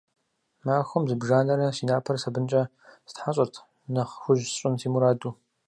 Махуэм зыбжанэрэ си напэр сабынкӀэ стхьэщӀырт, нэхъ хужь сщӀын си мураду.